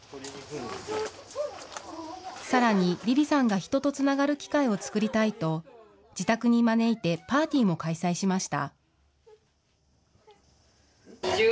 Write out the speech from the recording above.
さらに、リヴィさんが人とつながる機会を作りたいと、自宅に招いてパーティーも開催しました。